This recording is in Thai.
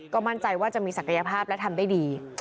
ก็มั่นใจว่าจะมีศักยภาพและทำได้ดี